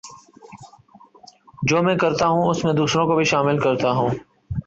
جو میں کرتا ہوں اس میں دوسروں کو بھی شامل کرتا ہوں